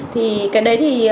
thì cái đấy thì